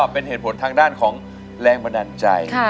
เป็นเหตุผลทางด้านของแรงบันดาลใจ